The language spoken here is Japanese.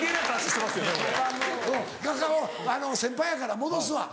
先輩やから戻すわ。